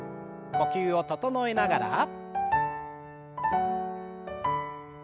呼吸を整えながら。